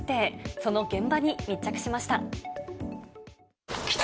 その現場に密着しました。